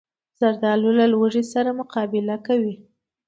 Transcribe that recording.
زردالو له لوږې سره مقابله کوي.